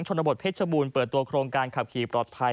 ชนบทเพชรบูรณ์เปิดตัวโครงการขับขี่ปลอดภัย